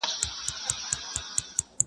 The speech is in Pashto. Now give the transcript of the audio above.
د انارکلي اوښکو ته-!